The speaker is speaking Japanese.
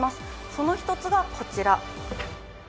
その一つがこちら。